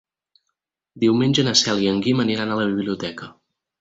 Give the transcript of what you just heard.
Diumenge na Cel i en Guim aniran a la biblioteca.